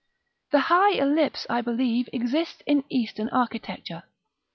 The high ellipse, I believe, exists in eastern architecture.